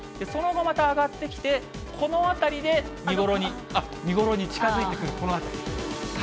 その後また上がってきて、このあたりで見頃に近づいてくる、このあたり。